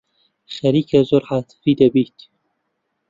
خەریکە زۆر عاتیفی دەبیت.